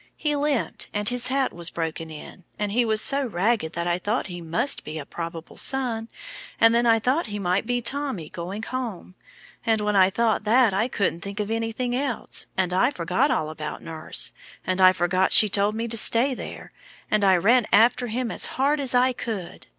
He limped, and his hat was broken in, and he was so ragged that I thought he must be a probable son, and then I thought he might be Tommy going home, and when I thought that, I couldn't think of nothing else, and I forgot all about nurse, and I forgot she told me to stay there, and I ran after him as hard as I could.